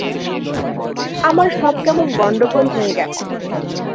আমার সব কেমন গণ্ডগোল হয়ে গেছে।